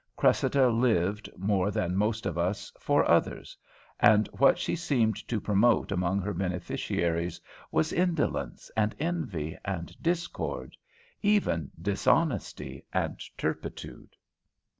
Cressida lived, more than most of us, "for others"; and what she seemed to promote among her beneficiaries was indolence and envy and discord even dishonesty and turpitude.